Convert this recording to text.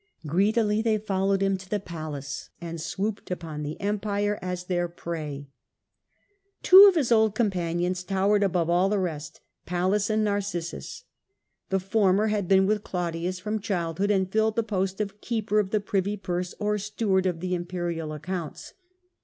Greedily they followed him to the palace, and swooped upon the Empire as their prey. 4.D. 41 54* Claudius, 87 Two of his old companions towered above all the rest, Pallas and Narcissus. Tlie former had been with Claudius from childhood, and filled the place of keeper of the privy purse, or steward of the imperial accounts.